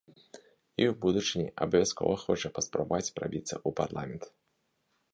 І ў будучыні абавязкова хоча паспрабаваць прабіцца ў парламент.